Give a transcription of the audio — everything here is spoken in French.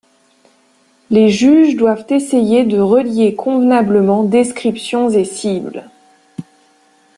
Les juges doivent essayer de relier convenablement descriptions et cibles.